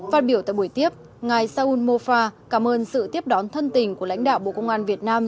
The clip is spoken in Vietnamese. phát biểu tại buổi tiếp ngài saun mofa cảm ơn sự tiếp đón thân tình của lãnh đạo bộ công an việt nam